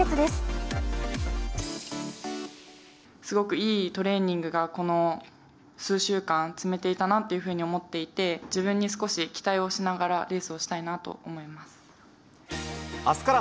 すごくいいトレーニングがこの数週間、積めていたなというふうに思っていて、自分に少し期待をしながらレースをしたいなと思います。